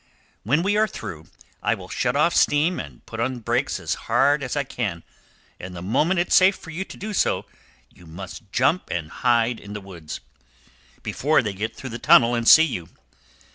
When we are through, I will shut off steam and put on brakes as hard as I can, and the moment it's safe to do so you must jump and hide in the wood, before they get through the tunnel and see you.